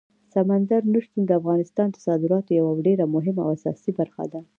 سمندر نه شتون د افغانستان د صادراتو یوه ډېره مهمه او اساسي برخه ده.